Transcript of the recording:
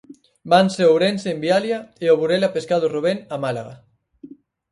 Vanse o Ourense Envialia e o Burela Pescados Rubén a Málaga.